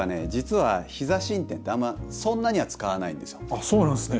あそうなんですね。